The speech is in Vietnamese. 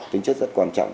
tính chất rất quan trọng